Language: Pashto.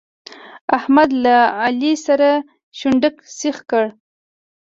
احمد له علي سره شونډک سيخ کړ.